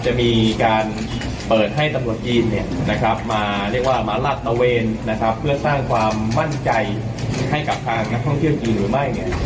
จะมีการเปิดให้สมุทรจีนมาหลักระเวนเพื่อสร้างความมั่นใจให้กลับทางนักท่องเที่ยวจีนหรือไม่